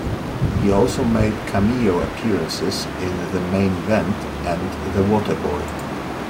He also made cameo appearances in "The Main Event" and "The Waterboy".